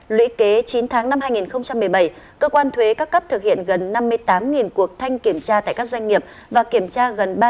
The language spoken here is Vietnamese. lũy kế chín tháng năm hai nghìn một mươi bảy cơ quan thuế các cấp thực hiện gần năm mươi tám cuộc thanh kiểm tra tại các doanh nghiệp và kiểm tra gần ba trăm năm mươi bốn hồ sơ